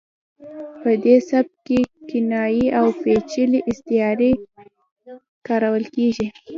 په دې سبک کې کنایې او پیچلې استعارې کارول کیږي